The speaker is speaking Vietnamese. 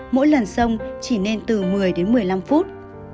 mỗi lần sông chỉ nên từ một mươi đến một mươi năm phút